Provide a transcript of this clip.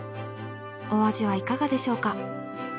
お味はいかがでしょうか？